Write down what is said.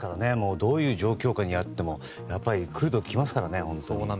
どういう状況下であっても来るときは来ますからね。